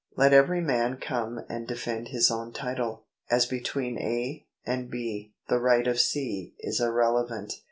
Let every man come and defend his own title. As between A. and B. the right of C. is irrelevant.